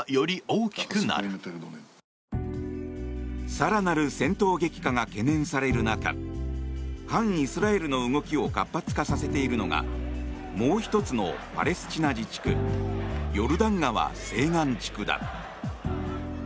更なる戦闘激化が懸念される中反イスラエルの動きを活発化させているのがもう１つのパレスチナ自治区ヨルダン川西岸地区だ。